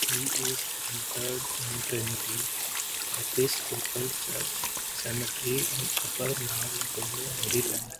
He is interred in Trinity Episcopal Church Cemetery in Upper Marlboro, Maryland.